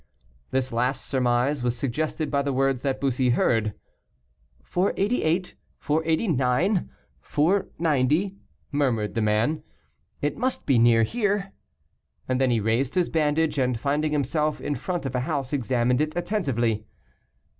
This last surmise was suggested by the words that Bussy heard. "488, 489, 490," murmured the man, "it must be near here." And then he raised his bandage, and finding himself in front of a house, examined it attentively.